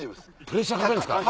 プレッシャーかけるんですか？